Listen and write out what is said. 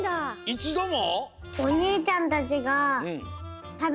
いちども？